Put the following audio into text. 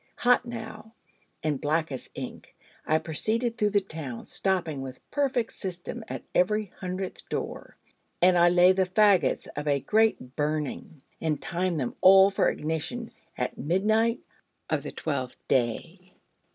Hot now, and black as ink, I proceeded through the town, stopping with perfect system at every hundredth door: and I laid the faggots of a great burning: and timed them all for ignition at midnight of the twelfth day.